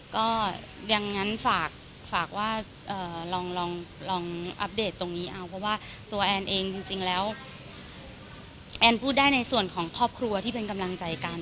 ก็ยังงั้นฝากว่าลองอัปเดตตรงนี้เอาเพราะว่าตัวแอนเองจริงแล้วแอนพูดได้ในส่วนของครอบครัวที่เป็นกำลังใจกัน